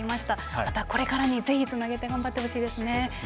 また、これからにぜひつなげて頑張ってほしいですね。